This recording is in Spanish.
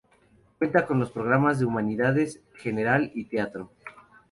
Cuenta con los programas de Humanidades General y Teatro.